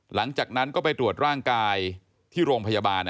หลังจากนั้นก็ไปตรวจร่างกายที่โรงพยาบาล